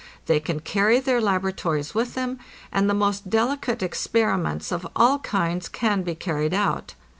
They can carry their laboratories with them, and the most delicate experi ments of all kinds can be carried out.